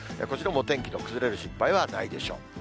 こちらもお天気の崩れる心配はないでしょう。